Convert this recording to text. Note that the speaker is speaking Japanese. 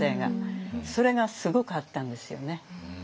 それがすごくあったんですよね。